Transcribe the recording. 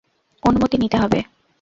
অনুমতি নিতে হবে?